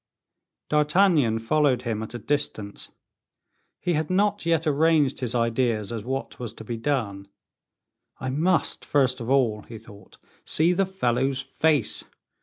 D'Artagnan followed him at a distance; he had not yet arranged his ideas as what was to be done. "I must, first of all," he thought, "see the fellow's face.